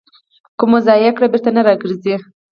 که مو ضایع کړ، بېرته نه راګرځي.